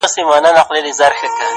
ځي له وطنه خو په هر قدم و شاته ګوري،